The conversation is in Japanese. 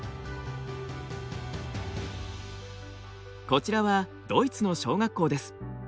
こちらはドイツの小学校です。